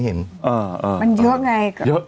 มันเยอะไง